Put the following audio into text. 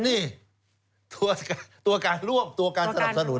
นี่ตัวการร่วมตัวการสนับสนุน